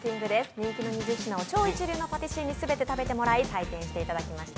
人気の２０品を超一流のパティシエに全て食べてもらい採点してもらいました。